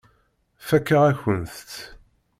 Fakeɣ-akent-t.